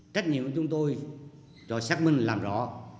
trách nhiệm của chúng tôi cho xác minh làm rõ